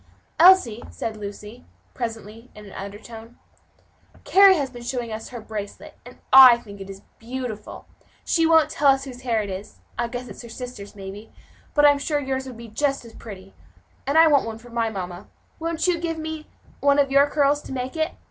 "Elsie," said Lucy, presently, in an undertone, "Carry has been showing us her bracelet, and I think it is beautiful; she won't tell whose hair it is I guess it's her sister's, maybe but I'm sure yours would make just as pretty a bracelet, and I want one for my mamma; won't you give me one of your curls to make it?